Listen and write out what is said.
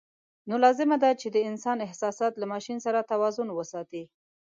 نو لازم ده چې د انسان احساسات له ماشین سره توازن وساتي.